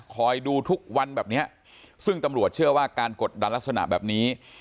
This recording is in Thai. ดูทุกวันแบบเนี้ยซึ่งตำรวจเชื่อว่าการกดดันลักษณะแบบนี้